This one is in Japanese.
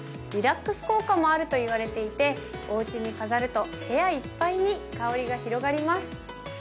リラックス効果もあるといわれていておうちに飾ると部屋いっぱいに香りが広がります。